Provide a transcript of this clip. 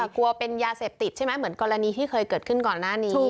กลัวเป็นยาเสพติดใช่ไหมเหมือนกรณีที่เคยเกิดขึ้นก่อนหน้านี้